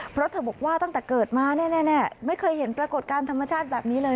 เพราะเธอบอกว่าตั้งแต่เกิดมาแน่ไม่เคยเห็นปรากฏการณ์ธรรมชาติแบบนี้เลย